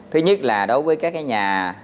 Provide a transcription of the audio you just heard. thứ nhất là đối với các cái nhà